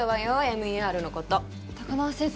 ＭＥＲのこと高輪先生